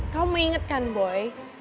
kamu inget kan boy